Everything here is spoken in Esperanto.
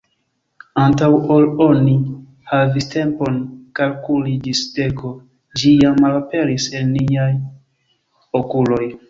Antaŭ ol oni havis tempon kalkuli ĝis deko, ĝi jam malaperis el niaj okuloj.